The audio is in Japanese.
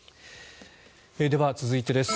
では、続いてです。